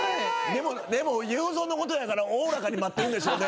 でもゆうぞうのことやからおおらかに待ってるんでしょうね。